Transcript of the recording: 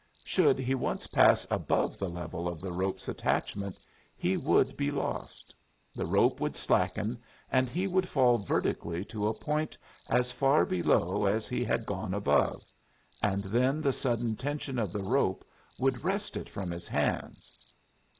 Should he once pass above the level of the rope's attachment he would be lost; the rope would slacken and he would fall vertically to a point as far below as he had gone above, and then the sudden tension of the rope would wrest it from his hands.